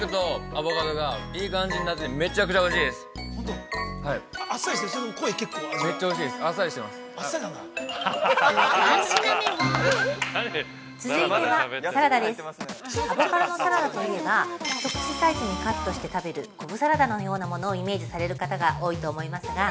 アボカドのサラダと言えば、１口サイズにカットして食べるコブサラダのようなものをイメージされる方が多いと思いますが。